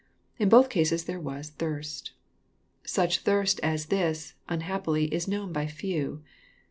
In both eases there was '' thirst." Such thirst as this, unhappily, is known by few.